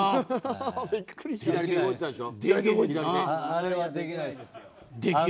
あれはできないです。